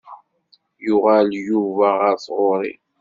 Yuɣal Yuba ɣer tɣuri.